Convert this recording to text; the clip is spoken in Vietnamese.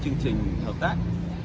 chương trình hợp tác